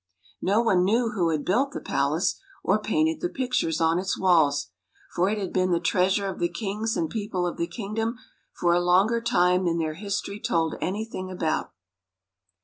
No one knew who had built the palace, or painted the pictures on its walls; for it had been the treasure of the kings and people of the kingdom for a longer time than their history told anything about.